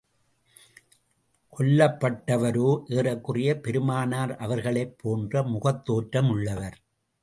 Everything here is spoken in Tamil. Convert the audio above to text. கொல்லப்பட்டவரோ, ஏறக்குறைய பெருமானார் அவர்களைப் போன்ற முகத் தோற்றம் உள்ளவர்.